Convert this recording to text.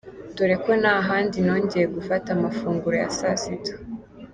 Dore ko nta handi nongeye gufata amafunguro ya saa sita.